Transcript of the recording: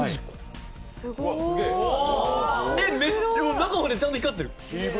中までちゃんと光ってる。